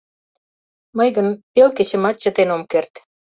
— Мый гын пел кечымат чытен ом керт.